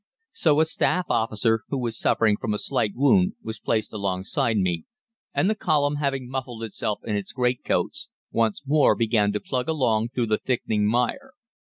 So a Staff officer, who was suffering from a slight wound, was placed alongside me, and the column, having muffled itself in its greatcoats, once more began to plug along through the thickening mire.